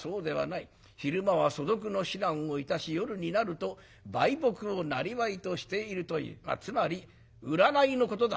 昼間は素読の指南をいたし夜になると売卜をなりわいとしているというつまり占いのことだ」。